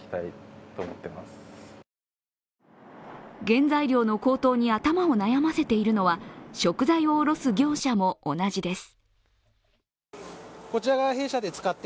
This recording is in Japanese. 原材料の高騰に頭を悩ませているのは食材を卸す業者も同じです。